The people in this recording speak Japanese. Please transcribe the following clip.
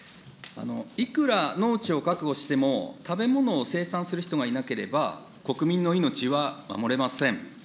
いくら農地を確保しても、食べ物を生産する人がいなければ、国民の命は守れません。